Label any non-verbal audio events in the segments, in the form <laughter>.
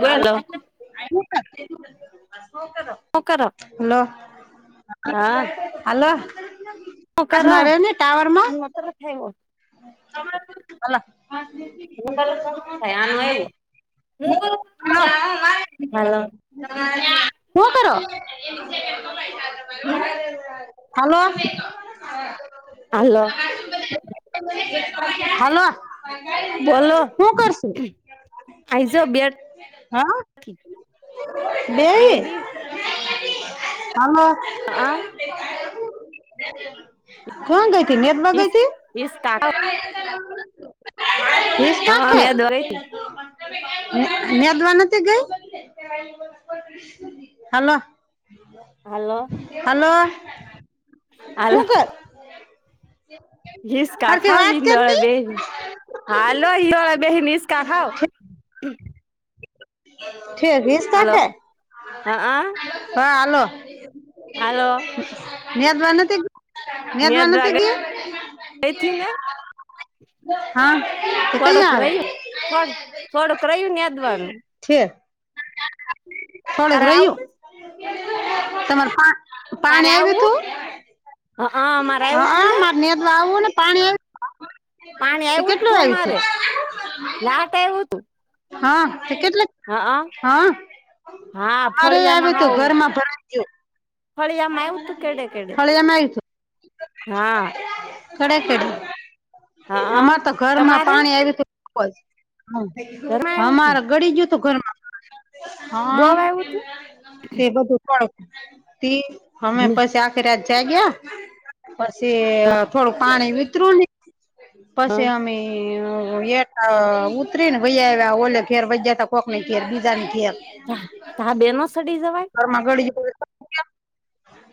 વયો જાઉં આઈ હું કામ છે સુ કરો હું કરો હલો હા હલો હું આજ કરો મારે ને ટાવર માં આવ્યો તમાર શું હલો આનું આનો આવ્યો આય મેં હું હા મારે હાલો હલો તમાર ત્યાં હું કરો હલો હાલો. હલો બોલો હું કરુશુ. આઈજો બેટ હા બેઈ બેહી હાલો. હા કોણ ગઈથી નેર માં ગઈ તી. વીસ કાડો વિસ સાથે. નેર મા નથી ગઈ. હલો. હલો. હલો શુ હાલો કર. હિસ્કા હરખી વાત ખાવી નળે કરની બેહેન હાલો હિંડોળે બેહેન ઈસ્કા ખાવ ઠે હાલો હિસકાઠે કે હા હા હાલો. હાલો. નેરમા નથી નેરમા નતી ગઈ. એથી ને. હા થોડુંક કઈયા આવે. રહ્યું થોડ થોડુંક રહ્યું નેદવાનું ઠે થોડુંક તારે રહયુ આવું તમાર પા તારે પાણી આવ્યું આવું તું હ અમારે હ આવ્યું અ તું ને માર નેદવા આવું ને પાણી આયુ તું પાણી તે આવ્યું કેટલું તું આવી છે. અમારે લાટ આયવુ તું. હા તે કેટલા હ હ હા અરે ફળિયામાં આવ્યું હાવ તું ઘરમાં ભરાઈ ગયું. ફળિયામાં આવ્યું તું કેડે કેડે અરે જમાઈ હા ખરે કેડે? હા અમારે તો ઘરમાં તમારે પાણી આવ્યું ઘરમાં તું આવ્યું અમાર તું અ ઘડી ગ્યું તું ઘર માં. બહુ હા આવ્યું તું તે બધું. પણ તી અમે ને. પછી આખી રાત જાગ્યા પછી થોડું પાણી વિતરું ને પછી હા અમે અવે તા ઉતરી ન વઈ આવ્યા ઓલે ઘેર વઈ આવ્યા કોક ની ઘેર બીજા ના ઘેર તા તા બેનો સડી જવાય.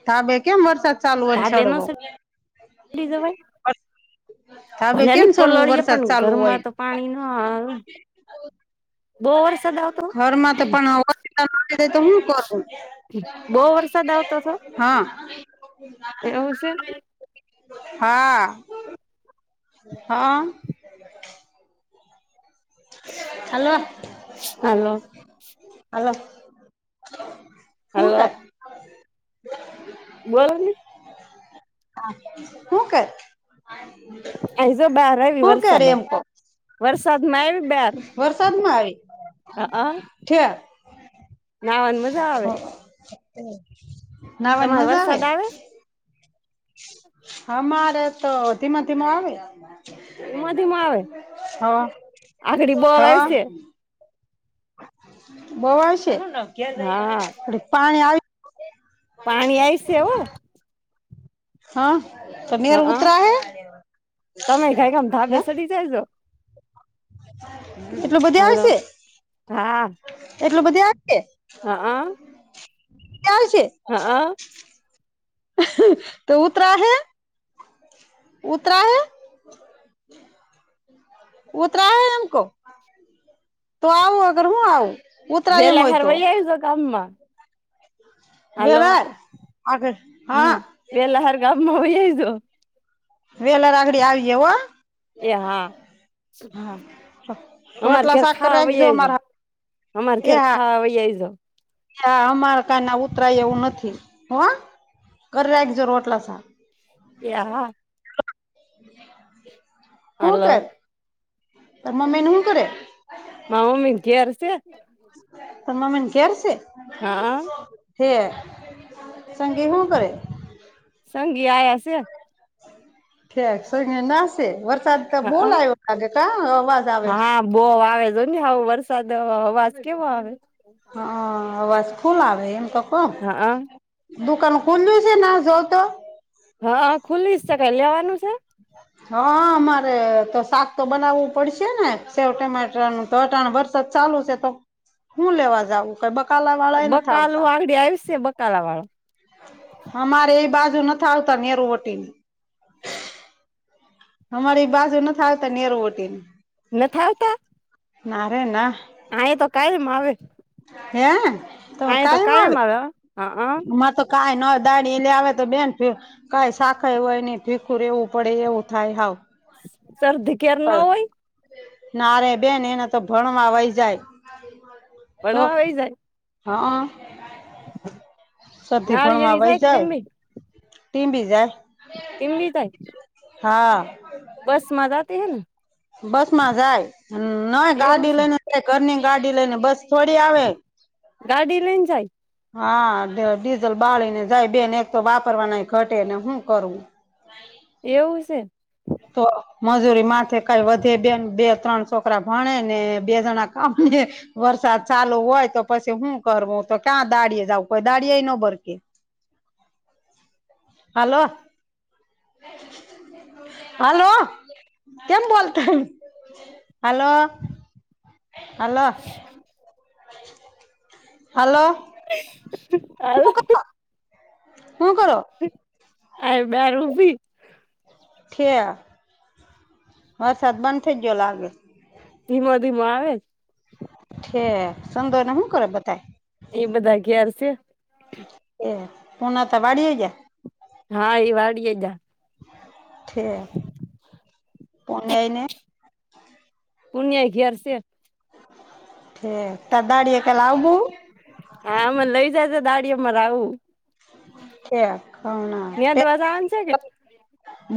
તા બે કેમ વરસાદ ચાલુ હોય ને ધા બેનો સડવો છેડી જવાય- - ધાબે ભલે કેમ ની સડવું પલળીએ વરસાદ પણ ચાલુ હોય ગરમાં તો પાણી ન આવે આવે. બહુ વરસાદ આવતો ઘરમાં તો પણ અવધ તો શું કરું? બહુ વરસાદ આવતો હતો હા એવું શે. હા. હા. હાલો- હાલો - હાલો- - હાલો- - બોલો ને? હા હું કરે? એઝો બાર આવી હું કર વરસાદ એમ કો - - વરસાદમાં આવી બાર. વરસાદમાં આવી ઠેર નાવાની મજા આવે? એ નાવાની તમારે મજા આવે? વરસાદ અમારે તો ધીમે થી આવે. ધીમો ધીમો આવે હોવે આગડી બહુ હોવે. આવશે બોય છે હા પાણી આવી- - પાણી આઈસે હો. હા. તો નેર હા હ ઉતરા હે તમે કઈકમ ધા હે બેસડી જાય. એટલું બધું હાલો આવશે હા એટલું બધું આવશે. હા ચ્યાાલ છે. હા. તો ઉતરા હૈ ઉતરા હૈ. ઉતરા એમ કો તો આવું અગર હું આવું ઉતરાય એમ હોય તો. કામમાં- - હાલો વેવાર હા વેલા હાર ગામમાં હો વેલા રાખડી આવી જ હો. એ હા હા અમાર ખટલા ઘેર સાકર ખાવા વહી રાખજો આવજો મારા અમાર ઘર ખાવા હોઈ જો. કેયા અમારા કઈ ના ઉતરાય એવું નથી હો. કર રાખજો રોટલો યા. હું હાલો કરે? તરા મમ્મી શુ કરે? મારી મમ્મી ઘરે છે. તાર મમ્મી ઘેર છે? હા. હે સંગી હું કરે? સંગી આયા છે. ઠક સંગી નાશે વરસાદ તો બોલ હા આવ્યો લાગે કં અવાજ આવે. બોવ આવે જો ને આવો વરસાદ અવાજ કેવો આવે. હ અવાજ ફૂલ આવે એમ તો કો હા દુકાન ખુલો છે ના જ તો હા હ ખુલ્લી શે કા લેવાનું છે? હા મારે તો શાક તો બનાવવું પડશે ને સેવ ટમેટાનું તો ત્રણ વરસાદ ચાલુ છે તો હું લેવા જઉં. કઈ બકાલા વાળાય નથી બકાલું આવતા. આગડી આવશે બકાલા વાળો અમારે એ બાજુ ન આવતા નેરુ વટી ને અમારી બાજુ ના આવતા નેરવટીને નથી આવતા નારે ના હા એ તો કાયમ આવે હે આ તો કઈ મારો હા માં તો કઈ ન દાડી લ આવે તો બેન ફ કઈ શાખાય હોય નહી ભીખુ રહેવું પડે એવું થાય હાવ શરદી કર ન હોય ના ર બેન એને તો ભણવા વહી જાય. તો ભણવા વહી જાય. હા સધી ભણવા વહી જાય. ટીંબી બી જાય. ટિં બી તાય હા બસ મજાતી હ ને બસ માં જાય નય એવું ગાડી છે લઈને જાય ઘરની ગાડી લઈ ને બસ છોડી આવે ગાડી લઈને જાય હા ડીઝલ બાળી ને જાય બેન એક તો વાપરવા નાય ઘટે ને હું કરું. એવું છે. તો મજૂરી માથે કઈ વધે બેન બે ત્રણ છોકરા ભણે ને બે જણા કામે વરસાદ ચાલુ હોય તો પછી હું કરવું તો ક્યાં દાળી એ જઉ કોઈ દાળિ ન બરકે હાલો. હલો કેમ બોલતા <unintelligible> હલો. હાલો. હલો. હું કરો હું કરો <unintelligible> અહીં બાર ઉભી ઠે વરસાદ બંધ થઈજયો લાગે. ધીમો ધીમો આવે જ ઠે સુંદરને હું કર બધા. એ બધા ગયા <unintelligible> એ પુના ત વાડીયે જ હા એ ડી વાડી જા. પન્યાઈ ને પૂણ્યા આગિયાર છે. હે ત દાડીએ કે લાઉ બુ હા અમે લઈ જાયજ દાળી અમાર આવું. કે <unintelligible> ન્યા દવા જવાનું છે કે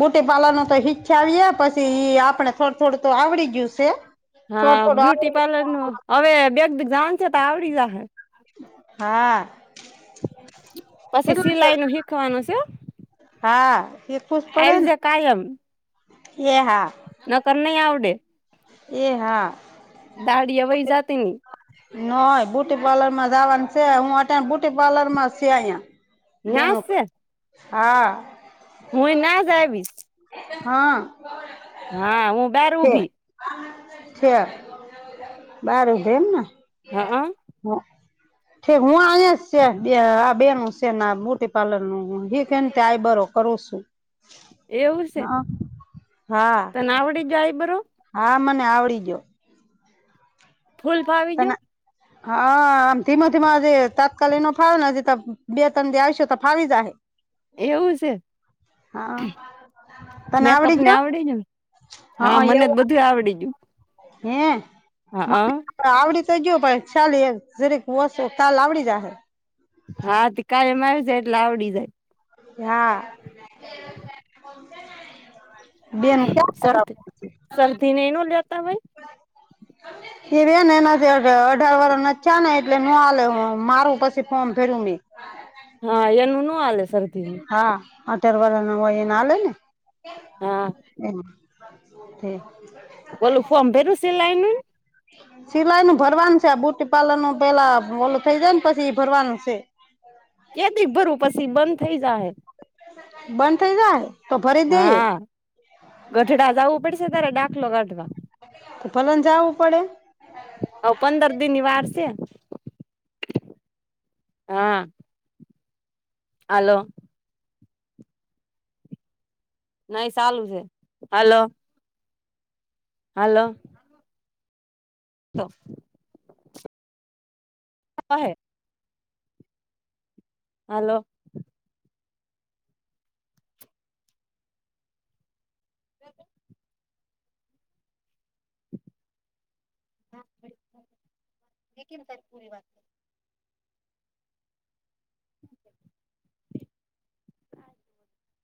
બુટી પાલવાનું તો ઈચ્છા આવી પછી એ આપડે થોડું થોડું તો આવડી ગયું છે. હા થોડું થોડું બ્યુટી આવડી પાર્લર નું હવે બે જાણ છે તો આવડી જ હે. હા. પછી કેટલું છે સિલાઈ નું શીખવાનું છે હા. હા શ આવી જા કાયમ. એ હા. ન કર ની આવડે. એ હા દાડિયે વઈ જ તે ન હોય બૂટીપાર્લર માં જવાનું છે હું અત્યારે બૂયુટીપાર્લરમાં છે અહીંયા. ન્યાસ બેનું છે હા. હું યે ના જ આવીશ. હા. હા હું બાર છે ઊભી છે બારું ઊભી એમન. હા હા. છે હું આહીંયા છે બે આ બેનું છે ને આ મોટી પાર્લરનું હિકે નું આઈ બરો. કરો છું. એવું છે હા. હા તને આવડી જાય આઇબ્રો. હા મને આવડી ગીયો. ફૂલ ફાવી ગીયુ. <inaudible> હા આમ ધીમા-ધીમા આજે તાત્કાલિક ન ફાવેને તો બે તન જઈશું ને તો ફાવી જાહે. એવું છે હા તને આવડી ગયું? પડી ગયું <unintelligible> હા મને જ બધું એવું ગયું આવડી ગયું હે. હા આ. મને આવડી તો ગીયુ પણ ચાલી એમ જરીક ઓછું કાલ આવડી જાહે હા તે કાયમ આવી જાય એટલે આવડી જાય યા બેન શરદી ક્યા શરદી ને એનું લેતા હોય <unintelligible> <inaudible> હા એનું નો હાલે સ હા અઠાર વરહના હોય એને હાલે ને હા એવું <inaudible> ઓલુ ફોર્મ ભર્યું સિલાઈનું? સિલાઈ નું ભરવાનું છે, આ બુટી પાર્લર નું પેલા ઓલું થઇ જાય ને પછી ઈ ભરવાનું છે. કેડી ભરવુ પસી બંધ થઇ જાહે બંધ થઇ જાહે? હા ગઢડા જાવું પડશે તારે ડાખલો કાઢવા તો ભલેન જાવુ પડે હવ પંદર દિ ની વાર છે, ા આલો નહી સાલુ છે, હાલો હાલો. તો અહે હાલો. <inaudible> <unintelligible>